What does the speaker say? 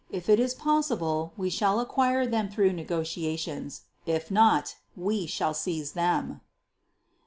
If it is possible, we shall acquire them through negotiations, if not, we shall seize them."